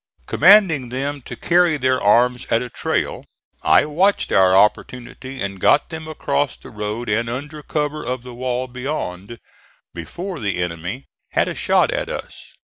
Commanding them to carry their arms at a trail, I watched our opportunity and got them across the road and under cover of the wall beyond, before the enemy had a shot at us.